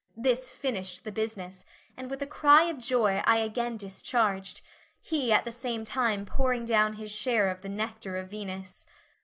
This finished the business, and with a cry of joy I again discharged he at the same time pouring down his share of the nectar of Venus.